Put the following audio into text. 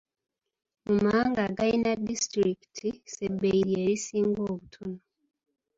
Mu mawanga agalina disitulikiti, Sebai lye lisinga obutono.